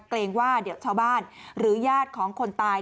เกรงว่าเดี๋ยวชาวบ้านหรือญาติของคนตาย